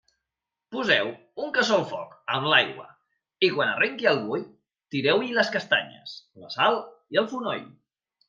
Poseu un cassó al foc amb l'aigua i, quan arrenqui el bull, tireu-hi les castanyes, la sal i el fonoll.